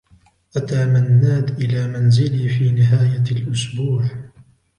أتى منّاد إلى منزلي في نهاية الأسبوع.